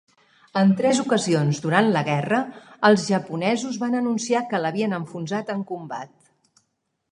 En tres ocasions durant la guerra, els japonesos van anunciar que l'havien enfonsat en combat.